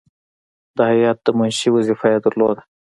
د هیات د منشي وظیفه یې درلوده.